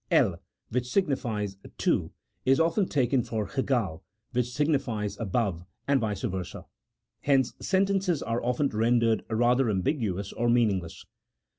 El, which signifies to, is often taken for hgal, which signifies above, and vice versa. Hence sentences are often rendered rather ambiguous or meaningless.